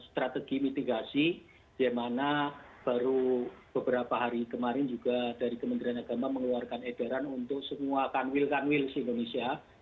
dan strategi mitigasi di mana baru beberapa hari kemarin juga dari kementerian agama mengeluarkan edaran untuk semua kanwil kanwil di indonesia